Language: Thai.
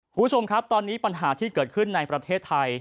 คุณผู้ชมครับตอนนี้ปัญหาที่เกิดขึ้นในประเทศไทย